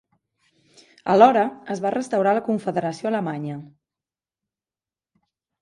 Alhora, es va restaurar la Confederació alemanya.